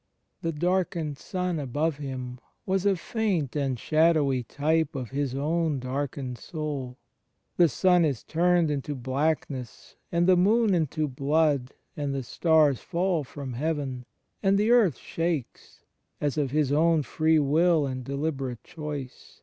The darkened sun above Him was a faint and shadowy type of His own darkened Soul. The sun is turned into blackness and the moon into blood and the stars fall from heaven, and the earth shakes, as, of His own free will and deliberate choice.